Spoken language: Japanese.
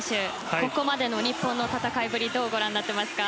ここまでの日本の戦いぶりどうご覧になっていますか。